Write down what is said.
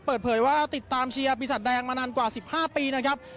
เปิดเผยว่าติดตามเชียร์ปีศาจแดงมานานกว่า๑๕ปีนะครับ